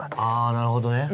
あなるほどね。